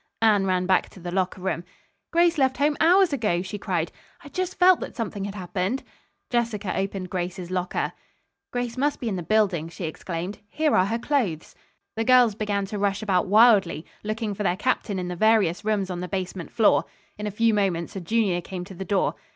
Anne ran back to the locker room. "Grace left home hours ago," she cried. "I just felt that something had happened." Jessica opened Grace's locker. "Grace must be in the building," she exclaimed "Here are her clothes." The girls began to rush about wildly, looking for their captain in the various rooms on the basement floor. In a few moments a junior came to the door.